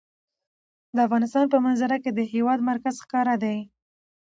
د افغانستان په منظره کې د هېواد مرکز ښکاره ده.